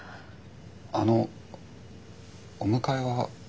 あのお迎えは俺が。